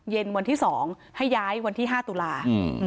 เย็นวันที่๒ให้ย้ายวันที่๕ตุลา